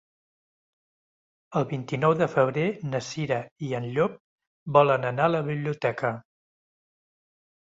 El vint-i-nou de febrer na Cira i en Llop volen anar a la biblioteca.